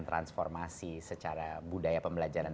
transformasi secara budaya pembelajaran